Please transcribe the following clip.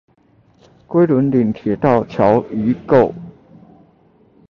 龜崙嶺鐵道橋遺構